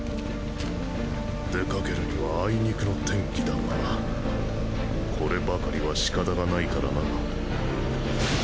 出かけるにはあいにくの天気だがこればかりはしかたがないからな。